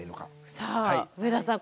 さあ上田さん